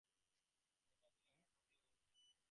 কথা দিলাম আমরা পরিস্থিতি নিয়ন্ত্রণে নিয়ে আসব।